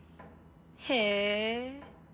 へえ。